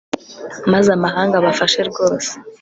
Maze amahanga abafashe rwose